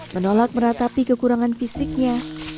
menolak meratapi kekurangan fisiknya